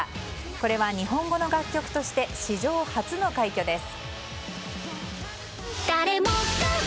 これは日本語の楽曲として史上初の快挙です。